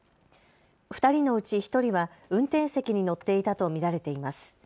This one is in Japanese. ２人のうち１人は運転席に乗っていたと見られています。